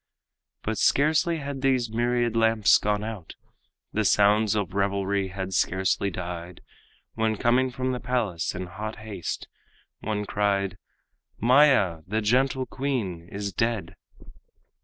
But scarcely had these myriad lamps gone out, The sounds of revelry had scarcely died, When coming from the palace in hot haste, One cried, "Maya, the gentle queen, is dead."